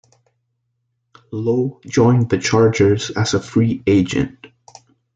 Lowe joined the Chargers as a free agent.